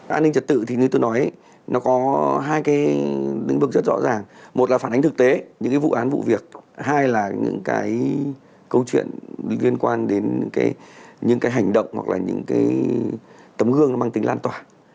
an ninh trật tự thì như tôi nói nó có hai cái lĩnh vực rất rõ ràng một là phản ánh thực tế những cái vụ án vụ việc hai là những cái câu chuyện liên quan đến những cái hành động hoặc là những cái tấm gương nó mang tính lan tỏa